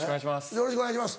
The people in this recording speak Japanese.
よろしくお願いします